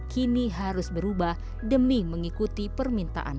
kami sudah mesti mengikuti zaman